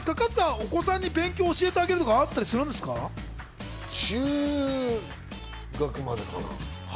お子さんに勉強を教えてあげると中学までかな。